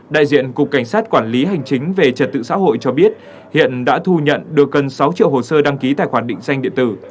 đại diện cục cảnh sát quản lý hành chính về trật tự xã hội cho biết hiện đã thu nhận được gần sáu triệu hồ sơ đăng ký tài khoản định danh điện tử